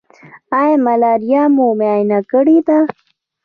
ایا ملاریا مو معاینه کړې ده؟